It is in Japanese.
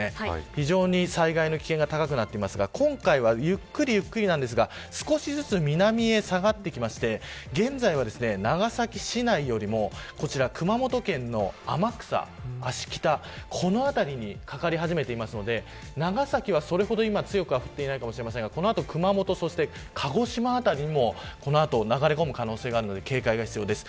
非常に災害の危険が高くなっていますが今回はゆっくりですが少しずつ南へ下がってきていて現在は長崎市内よりも熊本県の天草芦北、この辺りにかかり始めていますので長崎はそれほど今強くは降っていないかもしれませんがこの後、熊本鹿児島辺りにも流れ込む可能性があるので警戒が必要です。